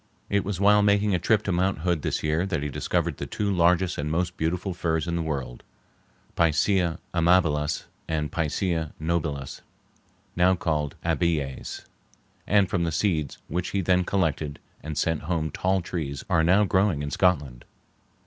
It was while making a trip to Mount Hood this year that he discovered the two largest and most beautiful firs in the world (Picea amabilis and P. nobilis—now called Abies), and from the seeds which he then collected and sent home tall trees are now growing in Scotland.